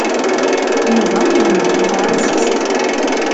Yuba yelmed tafransist?